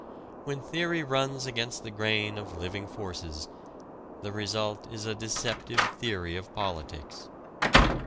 When theory runs against the grain of living forces, the result is a deceptive theory of politics.